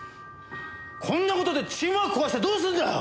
こんな事でチームワーク壊してどうするんだよ！